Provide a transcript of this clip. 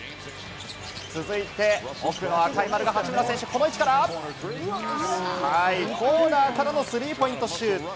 続いて、奥の赤い丸が八村選手、この位置から、コーナーからのスリーポイントシュート！